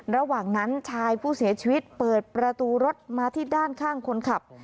ระหว่างนั้นชายผู้เสียชีวิตเปิดประตูรถมาที่ด้านข้างคนขับ